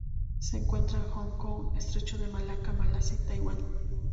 Se encuentra en Hong Kong, Estrecho de Malaca, Malasia y Taiwán.